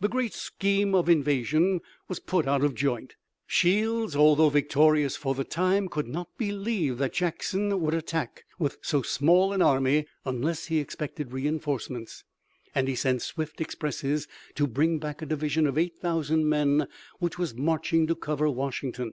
The great scheme of invasion was put out of joint. Shields, although victorious for the time, could not believe that Jackson would attack with so small an army unless he expected reinforcements, and he sent swift expresses to bring back a division of 8,000 men which was marching to cover Washington.